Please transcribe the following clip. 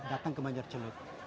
datang ke banjarculu